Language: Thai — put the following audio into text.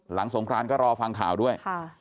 สงครานก็รอฟังข่าวด้วย